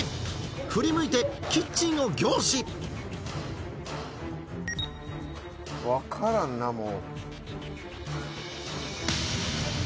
振り向いてキッチンを凝視分からんなもう。